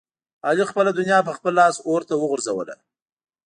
علي خپله دنیا په خپل لاس اورته وغورځوله.